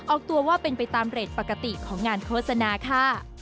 ออกตัวว่าเป็นไปตามเรทปกติของงานโฆษณาค่ะ